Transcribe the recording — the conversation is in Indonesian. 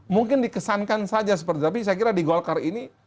mungkin dikesankan saja seperti tapi saya kira di golkar ini